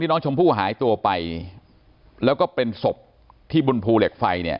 น้องชมพู่หายตัวไปแล้วก็เป็นศพที่บนภูเหล็กไฟเนี่ย